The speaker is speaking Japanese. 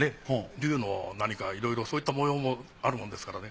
龍の何かいろいろそういった模様もあるもんですからね。